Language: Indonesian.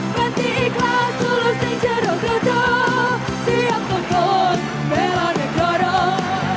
hati ikhlas tulus dan cedok cedok siap tonton melanek dorong